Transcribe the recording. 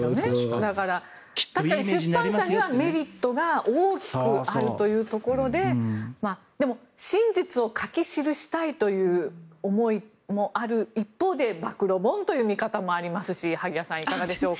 だから、出版社にはメリットが大きくあるというところででも、真実を書き記したいという思いもある一方で暴露本という見方もありますし萩谷さん、いかがでしょうか。